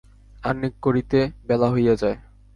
আহ্নিক করিতে বেলা হইয়া যায়।